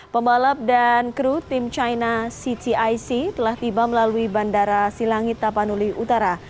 pembalap dan kru tim china ctic telah tiba melalui bandara silangit tapanuli utara